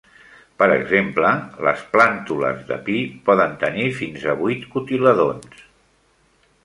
Per exemple, les plàntules de pi poden tenir fins a vuit cotilèdons.